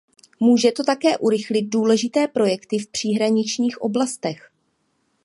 Může to také urychlit důležité projekty v příhraničních oblastech.